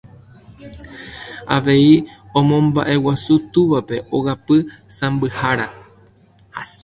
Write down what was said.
Avei omombaʼeguasu túvape ogapy sãmbyhára.